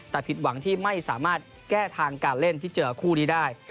แต่ผิดหวังที่ไม่สามารถแก้ทางการเล่นที่เจอคู่นี้ได้